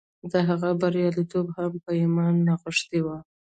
د هغه بریالیتوب هم په ایمان کې نغښتی و